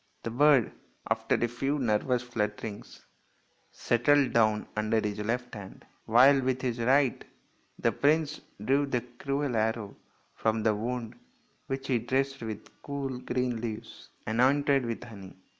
The bird, after a few nervous flutter ings, settled down under his left hand, while with his right the prince drew the cruel arrow from the wound, which he dressed with cool, green leaves, anointed with honey.